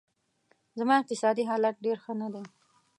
زما اقتصادي حالت ډېر ښه نه دی